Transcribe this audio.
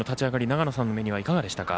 長野さんの目にはいかがでしたか。